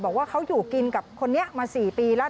บอกว่าเขาอยู่กินกับคนนี้มา๔ปีแล้ว